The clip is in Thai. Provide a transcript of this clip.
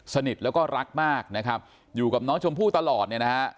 สนิทแล้วก็รักมากนะครับอยู่กับน้องชมพู่ตลอดเนี่ยนะฮะ